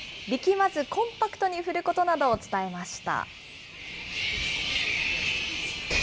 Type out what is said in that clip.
まずコンパクトに振ることなどを伝えました。